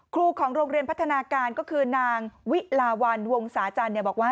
ครูของโรงเรียนพัฒนาการก็คือนางวิลาวันวงศาจันทร์บอกว่า